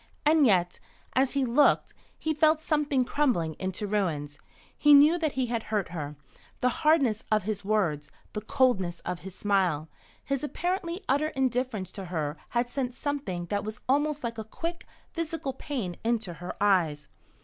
And yet, as he looked, he felt something crumbling into ruins. He knew that he had hurt her. The hardness of his words, the coldness of his smile, his apparently utter indifference to her had sent something that was almost like a quick, physical pain into her eyes.